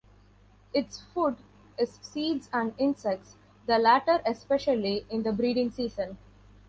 Its food is seeds and insects, the latter especially in the breeding season.